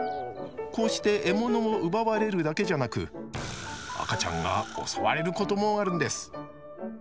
こうして獲物を奪われるだけじゃなく赤ちゃんが襲われることもあるんです。